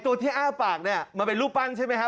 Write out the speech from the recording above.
ตัวที่อ้าปากเนี่ยมันเป็นรูปปั้นใช่ไหมฮะ